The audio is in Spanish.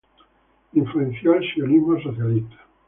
Influenció al Sionismo Socialista.